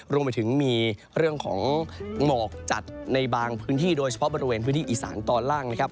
รวมไปถึงมีเรื่องของหมอกจัดในบางพื้นที่โดยเฉพาะบริเวณพื้นที่อีสานตอนล่างนะครับ